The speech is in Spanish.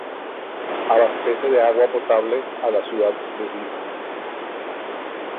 Abastece de agua potable a la ciudad de Vigo.